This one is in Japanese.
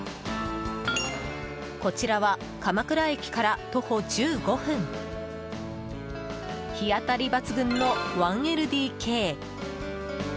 こちらは鎌倉駅から徒歩１５分日当たり抜群の１ＬＤＫ。